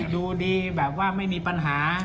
ดูดีแบบว่าไม่มีปัญหา